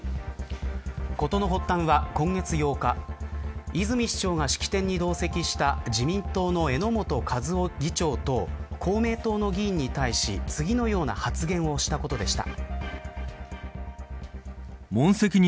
事の発端は今月８日泉市長が式典に同席した自民党の榎本和夫議長と公明党の議員に対し次のような発言をしたことでした。